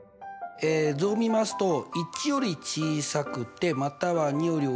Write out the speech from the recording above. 図を見ますと１より小さくてまたは２より大きい。